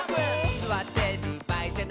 「すわってるばあいじゃない」